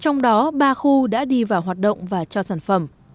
trong đó ba khu đã đi vào hoạt động và cho sản phẩm